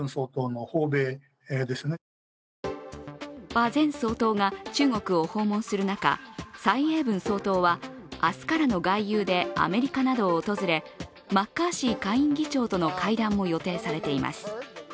馬前総統が中国を訪問する中、蔡英文総統は明日からの外遊でアメリカなどを訪れマッカーシー下院議長との会談も予定されています。